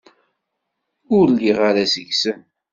Ur lliɣ ara seg-sen.